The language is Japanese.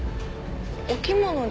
お着物で。